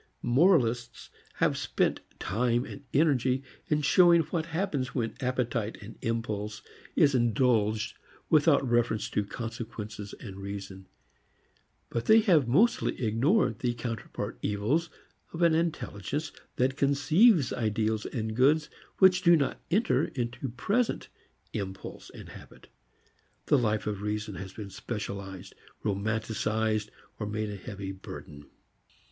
Moralists have spent time and energy in showing what happens when appetite, impulse, is indulged without reference to consequences and reason. But they have mostly ignored the counterpart evils of an intelligence that conceives ideals and goods which do not enter into present impulse and habit. The life of reason has been specialized, romanticized, or made a heavy burden.